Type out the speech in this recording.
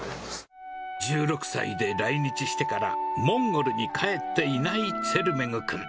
１６歳で来日してからモンゴルに帰っていないツェルメグ君。